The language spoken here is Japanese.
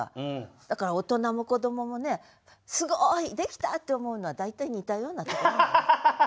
だから大人も子どももね「すごい！」「できた！」って思うのは大体似たような句が多い。